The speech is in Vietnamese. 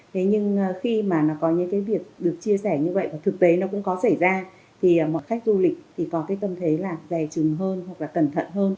thế nhưng khi mà nó có những cái việc được chia sẻ như vậy và thực tế nó cũng có xảy ra thì mọi khách du lịch thì có cái tâm thế là dài trừng hơn hoặc là cẩn thận hơn